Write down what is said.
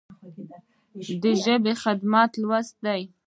د ژبې خدمت لوست دی.